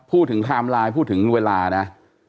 ไทม์ไลน์พูดถึงเวลานะ